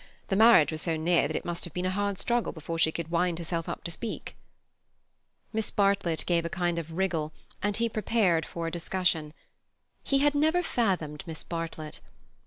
The marriage was so near that it must have been a hard struggle before she could wind herself up to speak." Miss Bartlett gave a kind of wriggle, and he prepared for a discussion. He had never fathomed Miss Bartlett.